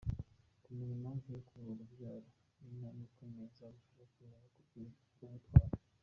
Kumenya impamvu yo kubura urubyaro ni intambwe ikomeye izagufasha kumenya uko witwara.